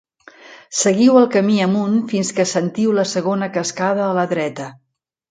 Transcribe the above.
Seguiu el camí amunt fins que sentiu la segona cascada a la dreta.